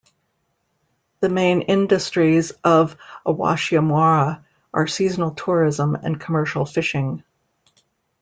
The main industries of Awashimaura are seasonal tourism and commercial fishing.